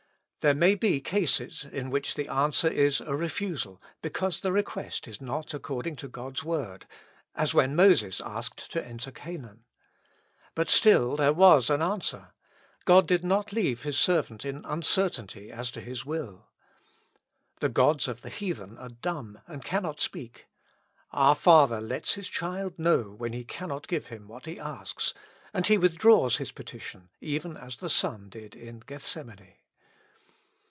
There may be cases in which the answer is a refu sal, because' the request is not according to God's Word, as when Moses asked to enter Canaan. But still, there was an answer; God did not leave His servant in uncertainty as to His will. The gods of the heathen are dumb and cannot speak. Our Father lets His child know when He cannot give him what he asks, and he withdraws his petition, even as the Son did in Gethsemane.